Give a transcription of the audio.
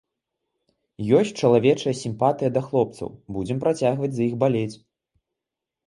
Ёсць чалавечая сімпатыя да хлопцаў, будзем працягваць за іх балець.